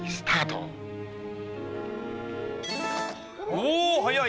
おお早い！